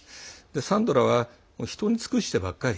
サンドラは人に尽くしてばっかり。